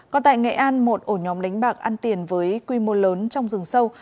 còn tại nghệ an một ổ nhóm đánh bạc ăn tiền với quy mô lớn trong rừng sâu